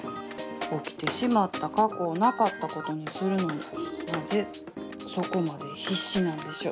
起きてしまった過去をなかったことにするのになぜそこまで必死なんでしょう。